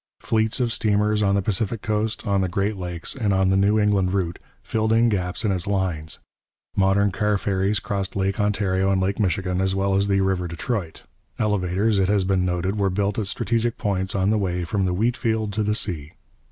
Fleets of steamers, on the Pacific coast, on the Great Lakes, and on the New England route, filled in gaps in its lines. Modern car ferries crossed Lake Ontario and Lake Michigan, as well as the river Detroit. Elevators, it has been noted, were built at strategic points on the way from the wheat field to the sea.